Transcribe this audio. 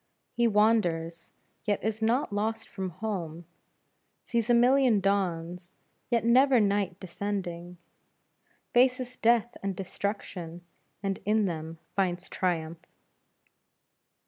He wanders yet is not lost from home, sees a million dawns yet never night descending, faces death and destruction and in them finds triumph.